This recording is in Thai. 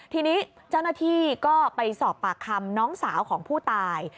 ทีนี้เจ้าหน้าที่ก็ไปสอบปากคำน้องสาวของผู้ตาย